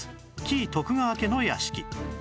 紀伊徳川家の屋敷